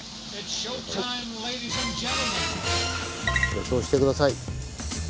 予想して下さい。